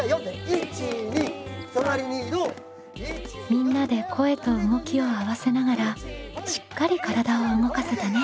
みんなで声と動きを合わせながらしっかり体を動かせたね。